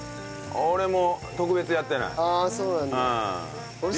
俺も特別やってない。